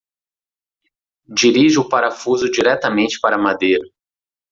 Dirija o parafuso diretamente para a madeira.